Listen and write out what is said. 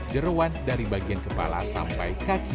jeruan dari bagian kepala sampai kaki